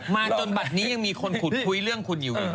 มาจนบัดนี้ยังมีคนคุยเรื่องคนอยู่ละเนี่ย